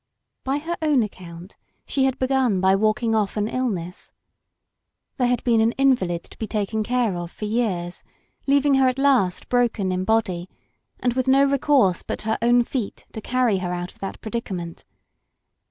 By her own accoimt she had begtin by walk ing off an illness. There had been an invahd to be taken care of for years, leaving her at last broken in body, and with no recourse but her own feet to carry her out of that predica ment.